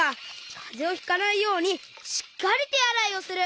かぜをひかないようにしっかりてあらいをする！